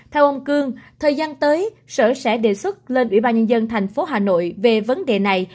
theo ông cương thời gian tới sở sẽ đề xuất lên ủy ban nhân dân tp hà nội về vấn đề này